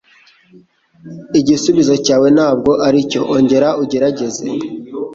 Igisubizo cyawe ntabwo aricyo. Ongera ugerageze.